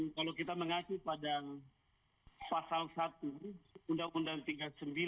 kalau kita mengacu pada pasal satu undang undang tiga puluh sembilan